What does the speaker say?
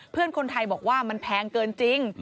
เพื่อนคนไทยบอกว่ามันแพงเกินจริง